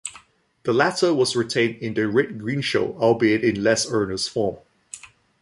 The latter was retained in "The Red Green Show", albeit in less earnest form.